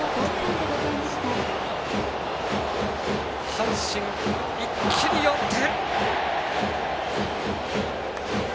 阪神、一気に４点！